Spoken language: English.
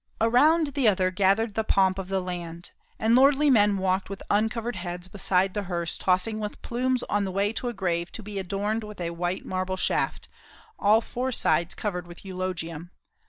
Around the other gathered the pomp of the land; and lordly men walked with uncovered heads beside the hearse tossing with plumes on the way to a grave to be adorned with a white marble shaft, all four sides covered with eulogium.